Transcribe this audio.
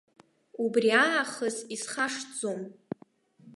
Убри аахыс исхашҭӡом.